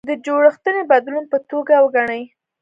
د جوړښتي بدلون په توګه وګڼي.